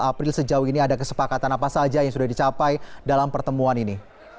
april sejauh ini ada kesepakatan apa saja yang sudah dicapai dalam pertemuan ini